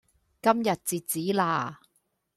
今日截止啦